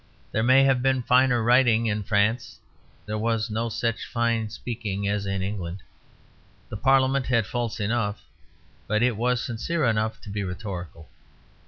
There may have been finer writing in France; there was no such fine speaking as in England. The Parliament had faults enough, but it was sincere enough to be rhetorical.